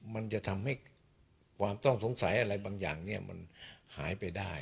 มันจะทำให้ความต้องสงสัยอะไรบางอย่างมันหายไปได้